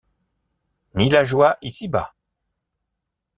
Ni la joie ici-bas !